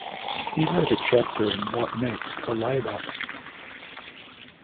He wrote a chapter in What Next for Labour?